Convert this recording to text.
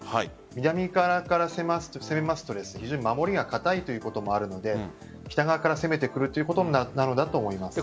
南から攻めますと非常に守りが堅いということもあるので北側から攻めてくるということなのだと思います。